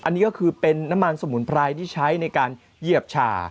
อันนี้ก็คือเป็นน้ำมันสมุนไพรที่ใช้ในการเหยียบชา